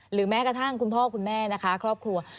แม้กระทั่งคุณพ่อคุณแม่นะคะครอบครัว